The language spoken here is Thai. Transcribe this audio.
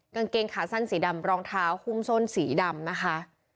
กางเกงขาสั้นสีดำรองเท้าหุ้มส้นสีดำนะคะ